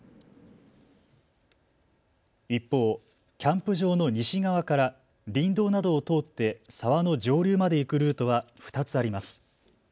一方、キャンプ場の西側から林道などを通って沢の上流まで行くルートは２つあります。